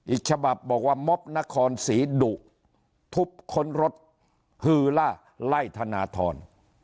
อีกฉบับบอกว่าม็อบนครศรีดุทุบค้นรถฮือล่าไล่ธนทร